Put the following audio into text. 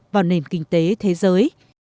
vào nền kinh tế thế giới